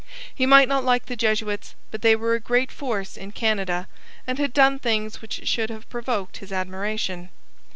He might not like the Jesuits, but they were a great force in Canada and had done things which should have provoked his admiration.